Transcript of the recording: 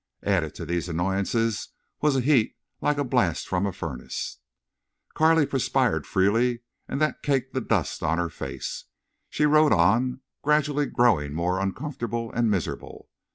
Added to these annoyances was a heat like a blast from a furnace. Carley perspired freely and that caked the dust on her face. She rode on, gradually growing more uncomfortable and miserable.